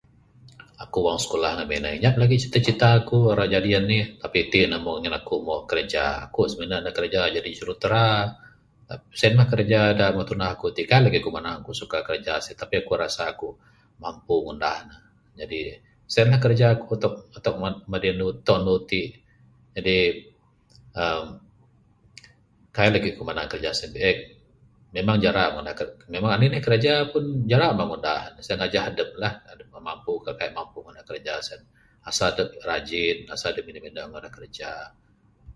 Aku wang skulah ngamin nyap lagi cita cita aku rak jadi anih, tapi itin moh ngin aku moh kerja, ku smene ne kiraja jadi jurutera, sien mah kerja da meh tunah ku ti, kaik lagi ku manang ku suka kiraja siti, tapi ku rasa aku mampu ngunah ne, jadi sien mah kerja aku tok mad ... madi andu tok andu ti. Jadi eee kaik lagi ku manang kraja sien biek, memang jara ngunah kraj ... memang anih anih kraja pun jara mah ngunah ne sien ngajah adep ngunah ne, adep mampu kah kaik mampu ngunah kraja sien. Asal dep rajin, asal dep geneh-geneh ngunah kraja.